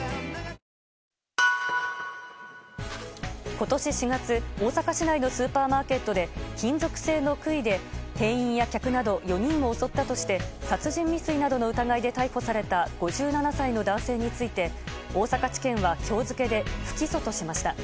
今年４月大阪市内のスーパーマーケットで金属製の杭で店員や客など４人を襲ったとして殺人未遂などの疑いで逮捕された５７歳の男性に対して大阪地検は今日付で不起訴としました。